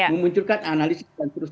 memunculkan analisis dan terus